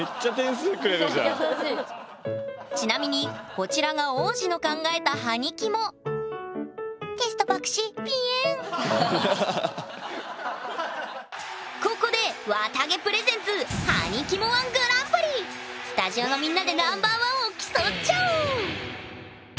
ちなみにこちらが王子の考えたはにキモここでわたげプレゼンツスタジオのみんなでナンバーワンを競っちゃおう！